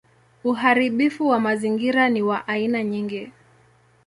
Uharibifu wa mazingira ni wa aina nyingi.